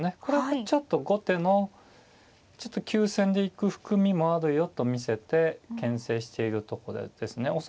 これはちょっと後手のちょっと急戦でいく含みもあるよと見せてけん制しているところですね。